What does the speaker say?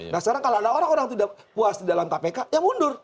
nah sekarang kalau ada orang orang tidak puas di dalam kpk ya mundur